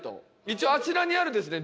一応あちらにあるですね